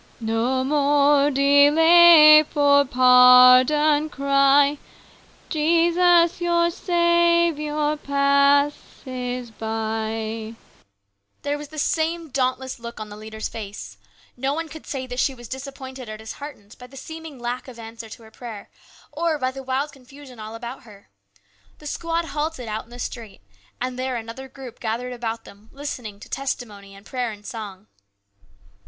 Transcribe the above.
No more delay, for pardon cry ; Jesus, your Saviour, passes by. There was the same dauntless look on the leader's face. No one could say that she was disappointed or disheartened by the seeming lack of answer to her prayer, or by the wild confusion all about her. The squad halted out in the street, and there another group gathered about them listening to testimony and prayer and song.